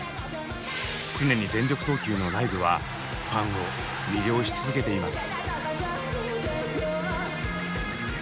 常に全力投球のライブはファンを魅了し続けています。